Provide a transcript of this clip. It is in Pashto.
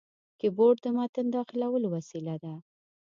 کیبورډ د متن داخلولو وسیله ده.